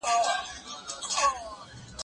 زه مخکي مڼې خوړلي وو